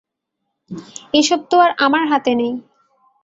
এসব তো আর আমার হাতে নেই!